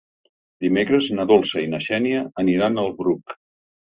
Dimecres na Dolça i na Xènia aniran al Bruc.